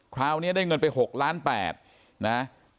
คราวนี้ได้เงินไป๖ล้าน๘นะ